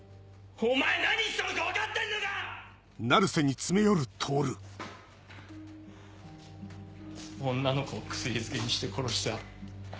お前何したのか分かってんのか⁉女の子を薬漬けにして殺した。